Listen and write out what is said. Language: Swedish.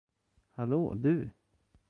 Hallå, du!